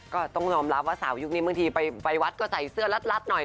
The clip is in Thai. ก็ต้องยอมรับว่าสาวยุคนี้บางทีไปวัดก็ใส่เสื้อรัดหน่อย